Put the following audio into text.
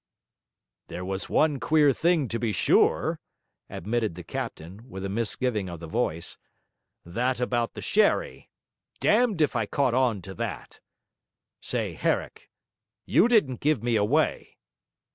'There was one queer thing, to be sure,' admitted the captain, with a misgiving of the voice; 'that about the sherry. Damned if I caught on to that. Say, Herrick, you didn't give me away?'